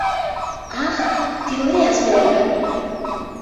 Αχ, τι ωραία σμέουρα!